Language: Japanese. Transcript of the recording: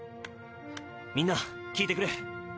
みんな聞いてくれ。